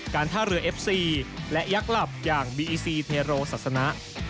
ท่าเรือเอฟซีและยักษ์หลับอย่างบีอีซีเทโรศาสนะ